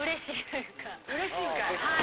うれしいんかい！